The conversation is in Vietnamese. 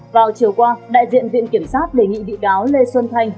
vào chiều qua đại diện viện kiểm sát đề nghị bị cáo lê xuân thanh